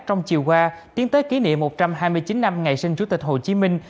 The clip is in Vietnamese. trong chiều qua tiến tới kỷ niệm một trăm hai mươi chín năm ngày sinh chủ tịch hồ chí minh